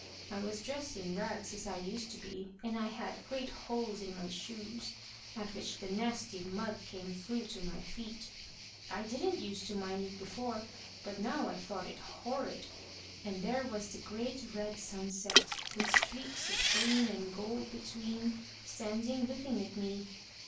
I was dressed in rags as I used to be, and I had great holes in my shoes, at which the nasty mud came through to my feet. I didn't use to mind it before, but now I thought it horrid. And there was the great red sunset, with streaks of green and gold between, standing looking at me.